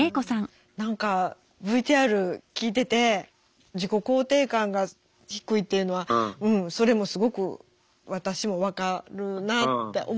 何かＶＴＲ聞いてて自己肯定感が低いっていうのはうんそれもすごく私も分かるなって思って。